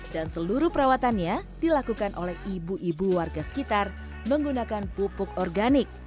dan seluruh perawatannya dilakukan oleh ibu ibu warga sekitar menggunakan pupuk organik